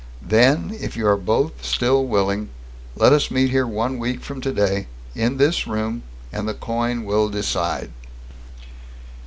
Then, if you are both still willing, let us meet here one week from today, in this room and the coin will decide!"